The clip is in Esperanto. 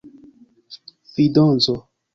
vindozo